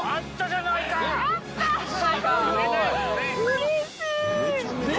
うれしい！